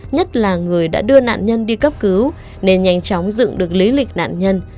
nhất là người đã đưa nạn nhân đi cấp cứu nên nhanh chóng dựng được lý lịch nạn nhân